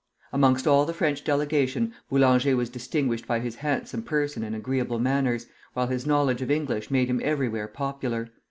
Amongst all the French delegation Boulanger was distinguished by his handsome person and agreeable manners, while his knowledge of English made him everywhere popular.